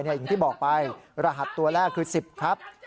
อย่างที่บอกไปรหัสตัวแรกคือ๑๐ครับ